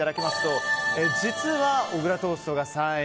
実は、小倉トーストが３位。